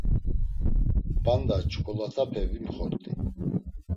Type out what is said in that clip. P̌anda çuǩolat̆epe vimxort̆i.